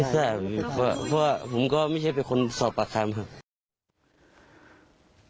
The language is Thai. ไม่ทราบว่าว่าผมก็ไม่เชื่อเป็นคนสอบปากคามครับ